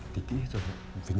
tính kỹ hết rồi phải nhớ